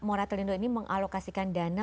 moratelindo ini mengalokasikan dana